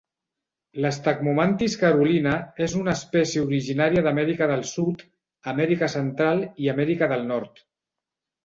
La "Stagmomantis carolina" és una espècie originària d'Amèrica del Sud, Amèrica Central i Amèrica del Nord.